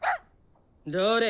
どれ！